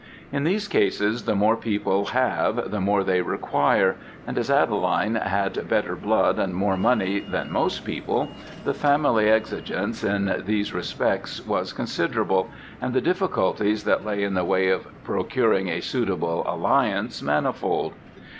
In these cases, the more people have, the more they require; and as Adeline had better blood, and more money, than most people, the family exigence in these respects was considerable, and the difficulties that lay in the way of procuring a suitable alliance, manifold.